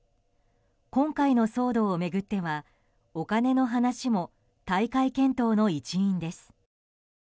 今回の騒動を巡ってはお金の話も退会検討の一因です。